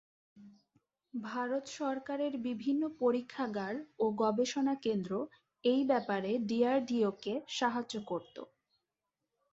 ভারত সরকারের বিভিন্ন পরীক্ষাগার ও গবেষণা কেন্দ্র এই ব্যাপারে ডিআরডিও-কে সাহায্য করত।